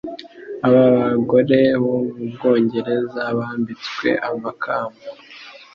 aba bagore bo mu Bwongereza bambitswe amakamba